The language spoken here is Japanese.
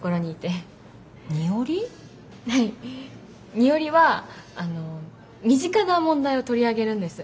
二折はあの身近な問題を取り上げるんです。